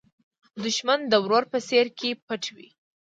دښمن د ورور په څېره کې پټ وي